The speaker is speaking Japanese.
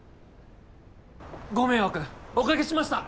ご迷惑おかけしました